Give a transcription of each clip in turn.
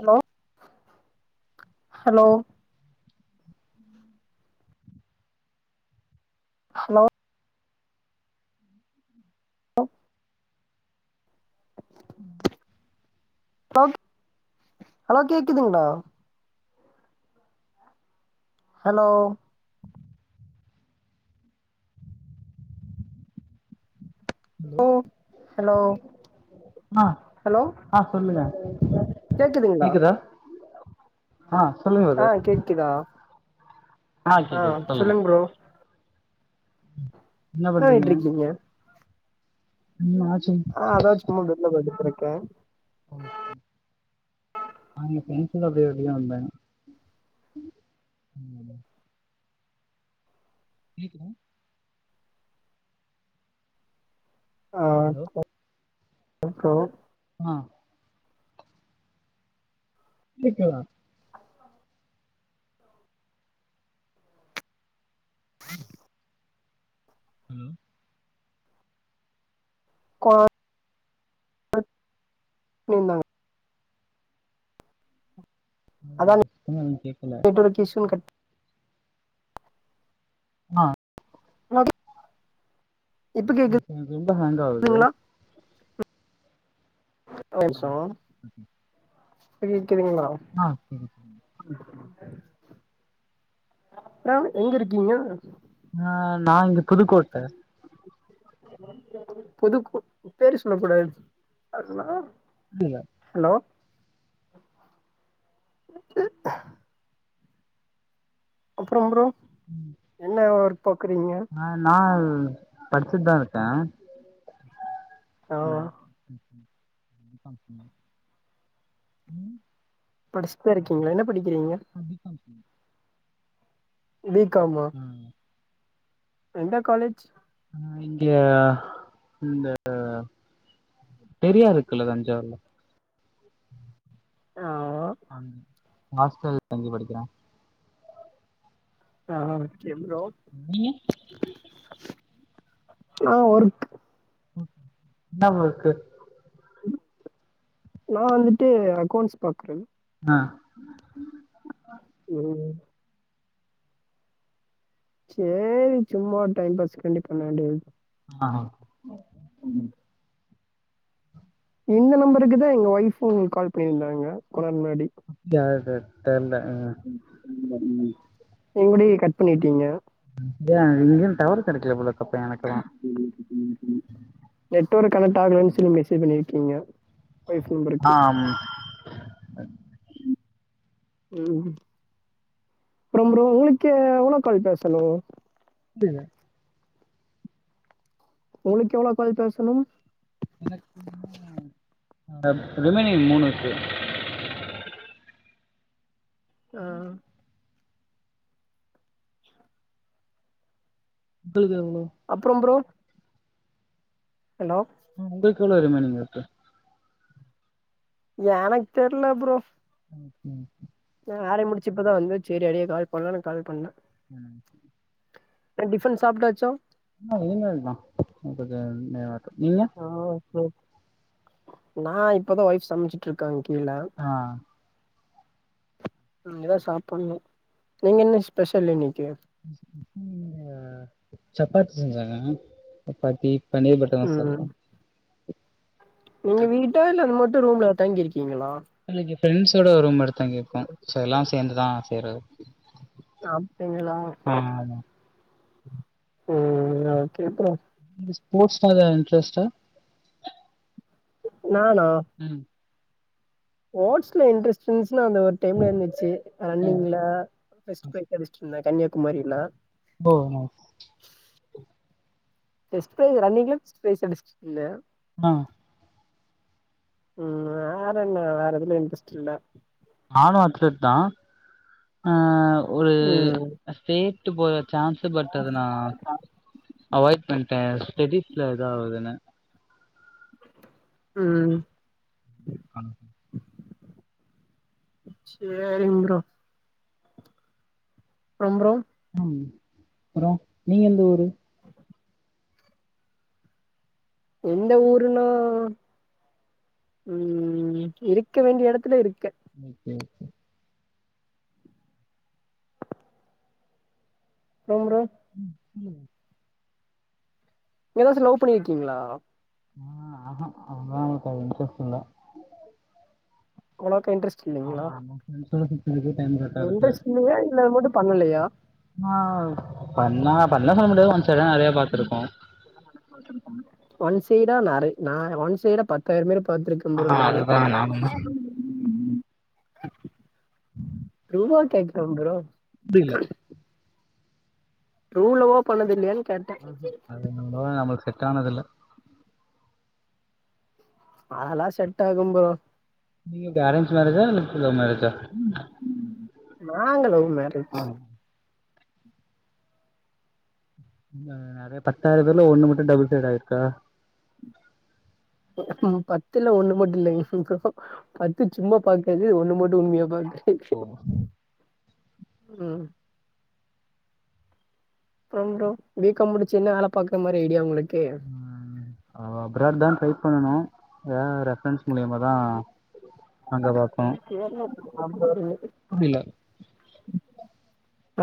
Hello hello hello ம் ரவுட் hello கேக்குதுங்ளா ஹலோ ஹலோ ஹலோ ண்ணா ஆ சொல்லுங்க கேக்குதுங்ளா கேக்குதா ஆ சொல்லுங்க ஆ பிரதர் கேக்கிதா ஆ சொல்லுங்க ப்ரோ என்ன பண்றீங்க பண்ணிட்டு இருக்கீங்க ம் ஆச் ஆ அதா சும்மா பெட்ல படுத்துட் கெடக்க நாங்க ஃபிரண்ட்ஸ்ஸோ ட போய்ட்டு தா வந்தன் கேக்குதா ஹலோ இருக்கா ஆ இருக்குதா ஹ் ஹலோ குவா [inaudible] நும்மா நீங்க அங்குட்டு சுத்தமா எனக்கு கேக்கல ஓகே சூம் கட் நா நோ த இந்த ஃபோன் ரெம்ப ஹாங்காவ்து எப்ப வருஷ செரியா [unintelligible] நா அப்ற எங்கருக்கீங்க நா நா இங்க புதுக்கோட்ட புதுக் பேரு சொல்ல கூடாதுன்ச்சு அப்டில்ல ஹலோ அப்பற ப்ரோ என்ன ஒர்க் பாக்குறீங்க ஆ நா படிச்சிட்தா இருக்க [inaudible] ஆ படிச்சுதா இருக்கீங்ளா என்ன படிக்கிறீங்க பி காம் ஃபைனல் பி காமா ஆ எந்த காலேஜ் நா இங்க இந்த சரியா இருக்குல அஞ்சாருல ஆ ஓ அம் ஹாஸ்ட்டல்ல தங்கி படிக்கிற [unintelligible] எல்லோ நீங்க ஆ ஒரு என்ன ஒர்கு நா வந்துட்டு அக்கௌன்ஸ் பாக்குறே ஆ உம் சேரி சும்மா டைம் பாஸ் காண்டி பண்ண வேண்டியது ஆஹ ம் இந்த நம்பருக்கு தான் எங்க ஒய்ஃப் உ கால் பண்ணியிருந்தாங்க கொஞ்ச நேர முன்னாடி அப்டி ஆயிருகாது தெரில ஆ எங்குடி கட் பண்ணிட்டீங்க இங்கேயும் டவர் கேடைக்கல போல அப்ப எனக்கு நெட்ஒர்க் கனெக்ட் ஆகலனு சொல்லி மெசேஜ் பண்ணிருக்கீங்க ஓய்ஃப் நம்பருக்கு ஆம் உ உம் ரோம் ரோ உங்கக்கே எவ்ளோக்கால் பேசணும் [unintelligible] உங்களுக்கு எவ்லோ கால் பேசணும் எனக்கு இன்னு ரிமைனிங் மூணு இருக்கு ஆ களுது எவ்லோ அப்புறம் ப்ரோ ஹலோ ஆ உங்கலுகு எவ்லோ ரிமைனிங் இருக்கு எனக் தெர்ல பரோ ஓகே ஓகே நான் ஆயார முடிச்சுப்பதான் வந்து சரி அடியே கால் பண்ணலாம் நான் கால் பண்ணேன் உம் புரோ டிஃபன் சாப்ட்டாச்சா ஆ இனிமெல்தா கொஞ்சோ நேரோ ஆட்டு நீங்க ஆ ஆ நான் இப்பதான் ஒய்ஃப் சமைச்சட்டுருக்காங் கீழே ஆ இனிமே தான் சாப்டனு நீங்க என்ன ஸ்பெஷல் இன்னைக்கு இங்க சப்பாத்தி சென்சங்க சப்பாத்தி பன்னீர் பட்டர் மசாலா ம் நீங்க வீட்டா இல்ல அது மட்டும் ரூம்ல தங்கிருக்கீங்களா இல்ல இங்க ஃப்ரெண்ட்ஸோட ரூம் எடுத் தங்கிருகோ சோ எல்லாம் சேந்துதான் செய்றது அப்டிங்களா ஆ ஆமா. உம் ஓகே ப்ரோ நீங்க ஸ்போர்ட்ஸ் ஏதா இன்டரெஸ்டா நானா ம் ஸ்போர்ட்ஸ்ல இன்ட்ரெஸ்ட் இருந்துச்சுன்னா அது ஒரு டைம்ல இருந்துச்சு ம். ரன்னிங்ல ஃர்ஸ்ட் பிரைஸ் அ இருந்தன் கன்னியாுமாரனா போ நெக்ஸ்ட் அது ரன்னிங்ல பிரைஸ் அடிச்சிட்டு வந்த நா ம் வேற என்ன வேற எதுலயு இன்ட்ரெஸ்ட் இல்ல மானு அத்தர் தா ஆ ஒரு ம் ஸ்டேட் போற சான்ஸ் பட் அதுனா அவாய்ட் பண்டே ஸ்டடிஸ்ல இதா ஆவுதுன்னு ம் ஆ சேரிங் ப்ரோ அப்றம் ப்ரோ ம் அப்றோ நீங்க எந்த ஊரு எந்த ஊருன்னா ம் இருக்க வேண்டிய எடத்துல இருக்க ஓகே ஓகே அப்றம் ப்ரோ ம் சொல்லுங்க ஏதாச்சி லவ் பண்ணி இருக்கீங்ளா அ ஆ ஹா அதெல்லா எனக்கு இன்ட்ரஸ்ட் இல்ல அவ்ளாக்கா இன்ட்ரஸ்ட் இல்லைங்ளா ஃப்ரண்ட்ஸ் கூட சுத்துறதுக்கே டைம் கரெக்டா இருக்கு இல்லையா இல்ல அது மட்டு பண்ணலையா பண்லாங்க பண்ணலன்னு சொல்ல முடியாது ஒன் சைடா நறைய பாத்திருக்கோ ஒன் சைடா நறை நா ஒன் சைடா பத்தாயிரோ பேர பாத்திருக் ஆ நம்புற நானு அதுதா நானுந்தா ரூபா கேட்குறா ப்ரோ புடிக்கல ட்ரு லவ்வோ பண்ணது இல்லையான் கேட்டே அது நண்பா நம்ளுக்கு செட் ஆனதில்ல அதெல்லா செட் ஆகும் ப்ரோ நீங்க எப்டி அரேஞ்ச் மேரேஜா இல்ல லவ் மேரேஜா நாங்க லவ் மேரேஜ் நா நறைய பத்தாயிரோ பேர்ல ஒன்னு மட்டு டபுள் சைட் ஆயிருக்கா பத்துலா ஒன்னு மட்டு இல்லைங் ப்ரோ பத்து சும்மா பாக்குறது ஒன்னு மட்டு உண்மையா பாக்க ஓ ம் அப்றம் ப்ரோ பி காம் முடிச்சி என்ன ஆள பாக்குறா மாரி ஐடியா உங்களுக்கு ஆ அப்ராட் தா ட்ரை பண்ணனும் எதா ரெஃப்ரன்ஸ் மூலியமாதா அங்க பாக்கோ கேர்ளா பக்கோ வந்தாரு அது இல்ல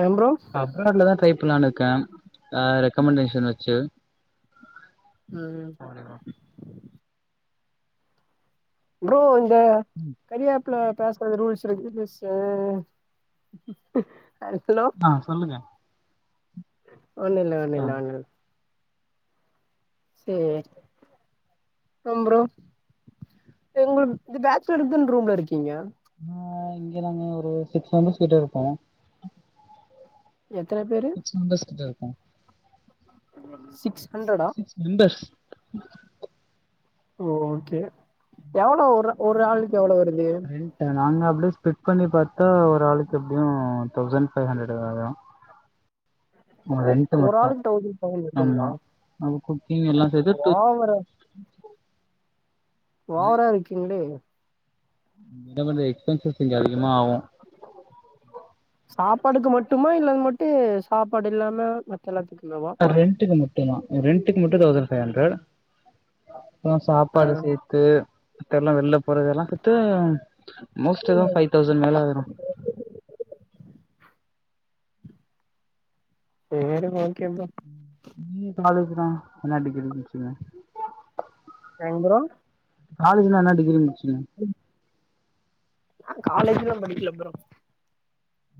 ஐ அம் ப்ரோ அப்ராட்ல தா ட்ரை பண்ணலான்னு இருக்கே ரெகமெண்டேஷன் வெச்சி ம் ப்ரோ இந்த கரியா ஆப் ல பேசுறது ரூல்ஸ் இருக்கு ரூல்ஸா ஹலோ ஆ சொல்லுங்க ஒன்னு இல்ல ஒன்னு ஆ இல்ல ஒன்னு இல்ல சேரி ஆம ப்ரோ எங்களுக்கு இது பேட்ச்லருக்குன்னு ரூம்ல இருக்கீங்க ஆ இங்க நாங்க ஒரு சிக்ஸ் மெம்பர்ஸ் கிட்ட இருப்போ எத்தன பேரு சிக்ஸ் மெம்பர்ஸ் கிட்ட இருப்போ சிக்ஸ் ஹண்டர்ட்டா சிக்ஸ் மெம்பர்ஸ் ஓ ஓகே எவ்ளோ ஒரு ஒரு ஆளுக்கு எவ்ளோ வருது நாங்க அப்டியே ஸ்ப்ளிட் பண்ணி பாத்தா ஒரு ஆளுக்கு எப்டியு தௌசண்ட் ஃபைவ் ஹண்ட்ரட் வரு ஒ ரெண்ட் ஒரு மட்டு ஆளுக்கு தௌசண்ட் ஆமா அப்ப குக்கிங் எல்லா சேத்து டூ ஓவரு ஓவரா இருக்கீங்களே என்ன பண்றது எக்ஸ்பென்சஸ் இங்க அதிகமா ஆகு சாப்பாடுக்கு மட்டுமா இல்லது மட்டு சாப்பாடு இல்லாம மத்த எல்லாத்துக்குமேவா ரெண்ட்டுக்கு மட்டுந்தா ரெண்ட்டுக்கு மட்டு தௌசண்ட் ஃபைவ் ஹண்டர்ட் அப்பறோ ஆ சாப்பாடு சேத் து மத்த எல்லா வெளில போறதெல்லா சேத்து மோஸ்ட் அதா ஃபைவ் தௌசண்ட் மேல ஆயிரு சேரி ஓகே ப்ரோ நீ காலேஜ்தா நா டிகிரி முடிச்சிருந்தே சாய்ந்தரோ காலேஜ்ல என்ன டிகிரி முடிச்சிங்க நா காலேஜ்லா படிக்கல ப்ரோ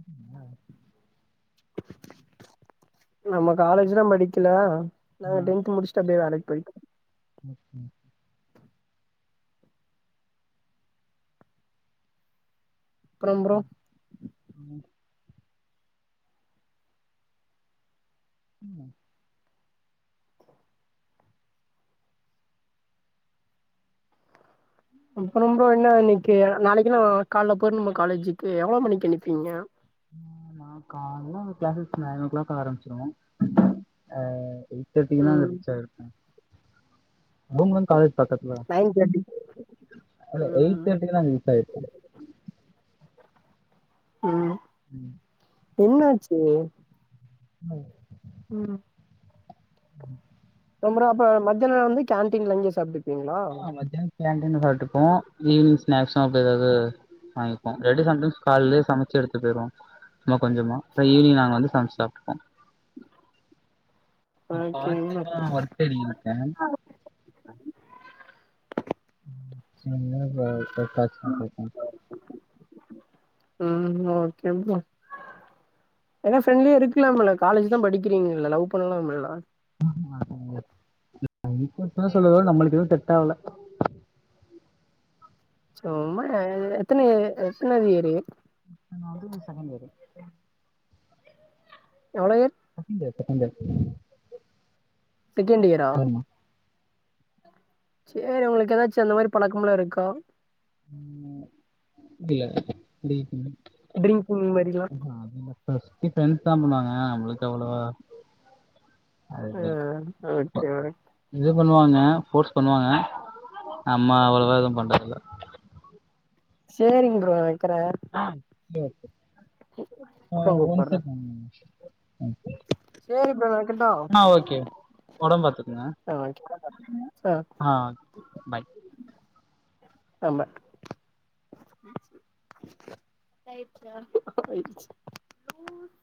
ம் என்ன நம்ம காலேஜ்லா படிக்கல நாங்க டென்த்து முடிச் சிட்டு அப்டியே வேலக்கி போய்டோ ம் ம் அப்றம் ப்ரோ ம் ம் அப்றம் ப்ரோ என்ன இன்னக்கி நாளைக்கி என்ன கால்ல போய்ர்னுமா காலேஜுக்கு எவ்ளோ மணிக்கு ஏந்திப்பீங்க நா கால்ல கிளாஸஸ் நயன் ஓ கிளாக் ஆரமிச்சிரு ஆ எயிட் தேட்டிகுன்னா அங்க ம் ரீச் ஆய்ருப்பே அவுங்களு காலேஜ் பக்கத்துலதா நைன் தேர்ட்டி இல்ல எயிட் ம் தேட்டிகுன்னா அங்க ரீச் ஆயிருப்பே ம் ம் என்னாச்சி என்னது ம் றம் ப்ரோ அப்ப மத்யானோ வந்து கேன்டீன்ல இங்கயே சாப்ட் ஆ மத்யானோ கேன்டீன்ல சாப்ட்டுப்போ ஈவினிங் ஸ்னேக்ஸு அப்டி ஏதாது வாங்கிப்போ இல்லாட்டி சம் டைம்ஸ் கால்லயே சமச்சி எடுத்துட்டு போய்ருவோ சும்மா கொஞ்சமா அப்பறோ ஈவினிங் நாங்க வந்து சமச்சி சாப்ட்டுப்போ நா பார்ட் ஓகே டைமா ஒர்க் தேடிகிட்ருக்கே ம் என்ன இது [unintelligible] பேசுவோ ம் ஓகே ப்ரோ எல்லா ஃப்ரண்ட்லியா இருக்கலாம்ல காலேஜ் தா படிக்கிறீங்கல்ல லவ் பண்ணலாமுல்ல என்ன சொல்லவரே நம்மளுக்கு எது செட்டாவல சும்மா ஏ எத்தன யே எத்தன இயரி நா வந்து செகண்ட் இயரு எவ்ளோ year second year second year second இயரா ஆமா சேரி உங்களுக்கு எதாச்சு அந்த மாரி பழக்கம்லா இருக்கா உ இல்ல புரியல டிரிங்கு இந்த மாரி உஹ் ஹு அது இல்ல சுத்தி ஃபரெண்ஸ் தா பண்ணுவாங்க நம்ளுக்கு அவ்ளவா ஆ ஓகே ஓகே இது பண்ணுவாங்க ஃபோர்ஸ் பண்ணுவாங்க நம்ம அவ்ளவா எது பண்றதுல சேரிங்க ப்ரோ வக்கிறே ஆ சேர் சேர் அப்றோ ஒன் கூப்பட்றே சைட் தானுங்க சேரி ப்ரோ நா வைக்கட்டா அ ஓகே ஒடம்பாத்துக்கங்க ஆ ஒகே அ ஆ பாய் ஆமா ஆய்ருச்சா ஆய்ர்ச்சி உ